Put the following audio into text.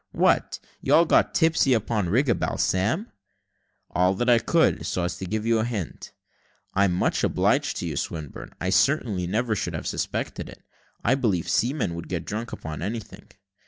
"What! you all got tipsy upon Riga balsam?" "All that could; so I just give you a hint." "I'm much obliged to you, Swinburne; I certainly never should have suspected it. I believe seamen would get drunk upon anything."